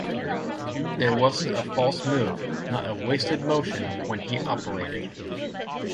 There wasn't a false move, not a wasted motion, when he operated.